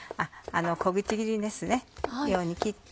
小口切りですね切って。